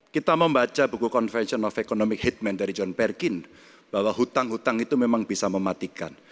kita membaca buku convention of economic heatman dari john berkin bahwa hutang hutang itu memang bisa mematikan